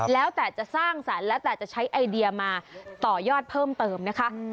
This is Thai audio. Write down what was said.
แล้วแต่จะสร้างสรรค์แล้วแต่จะใช้ไอเดียมาต่อยอดเพิ่มเติมนะคะ